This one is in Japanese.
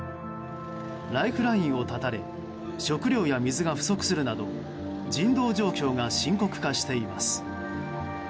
ライフラインを絶たれ食料や水が不足するなど人道状況が深刻化しています。